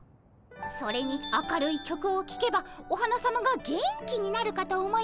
それに明るい曲をきけばお花さまが元気になるかと思いまして。